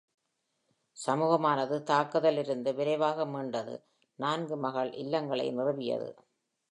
சமூகமானது தாக்குதலில் இருந்து விரைவாக மீண்டது, நான்கு மகள் இல்லங்களை நிறுவியது.